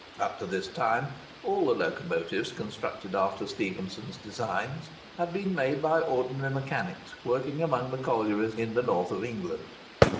Up to this time all the locomotives constructed after Stephenson's designs, had been made by ordinary mechanics working among the collieries in the North of England.